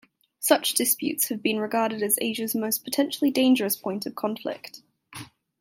Such disputes have been regarded as Asia's most potentially dangerous point of conflict.